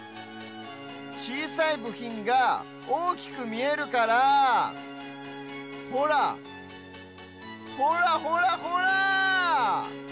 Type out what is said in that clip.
ちいさいぶひんがおおきくみえるからほらほらほらほら！